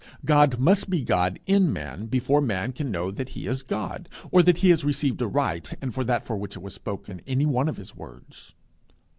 God must be God in man before man can know that he is God, or that he has received aright, and for that for which it was spoken, any one of his words.